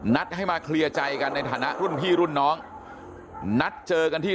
นัดให้มาเคลียร์ใจกันในฐานะรุ่นพี่รุ่นน้องนัดเจอกันที่